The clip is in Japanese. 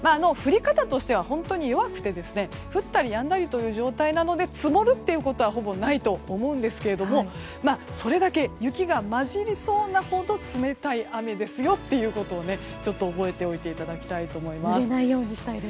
降り方としては本当に弱くて降ったりやんだりの状態なので積もるということはほぼないと思うんですがそれだけ雪が交じりそうなほど冷たい前ですよということを覚えておいていただきたいと思います。